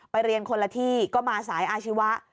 เรียนคนละที่ก็มาสายอาชีวะ